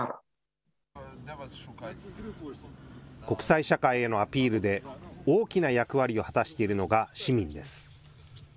国際社会へのアピールで大きな役割を果たしているのが市民です。